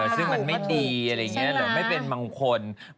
ซึ่งมันไม่ดีอะไรอย่างนี้หรือว่าไม่เป็นบังคลใช่แล้ว